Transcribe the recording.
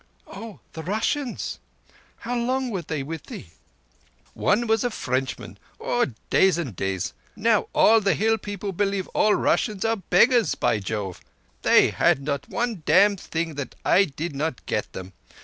"Oh, the Russians? How long were they with thee?" "One was a Frenchman. Oh, days and days and days! Now all the hill people believe all Russians are all beggars. By Jove! they had not one dam' thing that I did not get them.